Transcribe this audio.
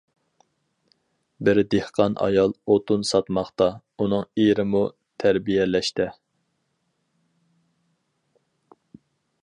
بىر دېھقان ئايال ئوتۇن ساتماقتا، ئۇنىڭ ئېرىمۇ «تەربىيەلەشتە».